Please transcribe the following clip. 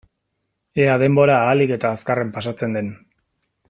Ea denbora ahalik eta azkarren pasatzen den.